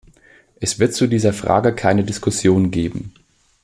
Es wird zu dieser Frage keine Diskussion geben.